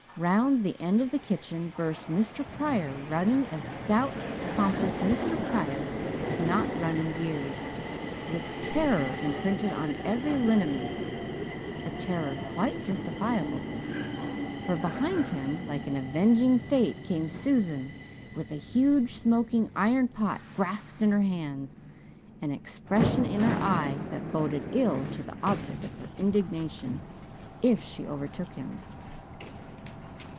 Round the end of the kitchen burst Mr. Pryor, running as stout, pompous Mr. Pryor had not run in years, with terror imprinted on every lineament a terror quite justifiable, for behind him, like an avenging fate, came Susan, with a huge, smoking iron pot grasped in her hands, and an expression in her eye that boded ill to the object of her indignation, if she should overtake him.